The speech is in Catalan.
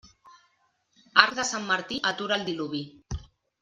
Arc de Sant Martí atura el diluvi.